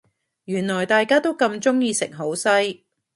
原來大家都咁鍾意食好西